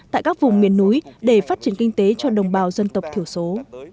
tại các vùng miền núi để phát triển kinh tế cho đồng bào dân tộc thiểu số